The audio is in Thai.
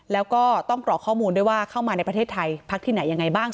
แล้วก็ต้องกรอกข้อมูลด้วยว่าเข้ามาในประเทศไทยพักที่ไหนยังไงบ้าง